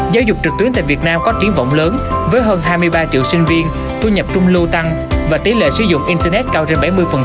giáo dục trực tuyến tại việt nam có triển vọng lớn với hơn hai mươi ba triệu sinh viên thu nhập trung lưu tăng và tỷ lệ sử dụng internet cao trên bảy mươi